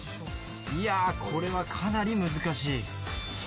いやー、これはかなり難しい。